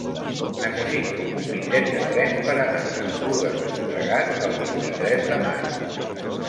Necessito un bitllet de tren per anar a Esplugues de Llobregat el vint-i-tres de maig.